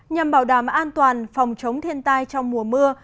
nhằm bảo đảm an toàn phòng chống thiên tai trong mùa mưa